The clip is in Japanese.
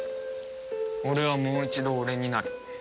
俺はもう一度俺になる。